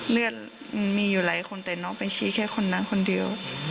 มันมีอยู่หลายคนแต่น้องไปชี้แค่คนนั้นคนเดียว